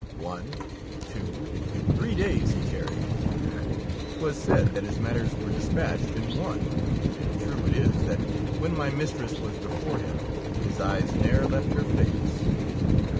One, two, three days he tarried. Twas said that his matters were de spatched in one, and true it is that when my mistress was before him, his eyes ne^er left her face.